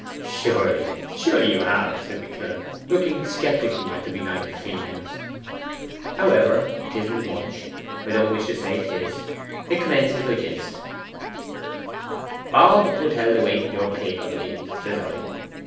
'Surely, surely you have,' said the killer, looking sceptically at the benighted females. 'However, 'tisn't much I don't wish to say it is. It commences like this: "Bob will tell the weight of your pig, 'a b'lieve," says I.